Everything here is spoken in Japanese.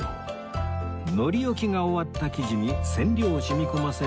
糊置きが終わった生地に染料を染み込ませる